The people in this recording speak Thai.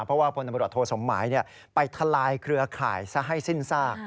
เพราะว่าพลตำรวจโทสมหมายไปทลายเครือข่ายซะให้สิ้นซาก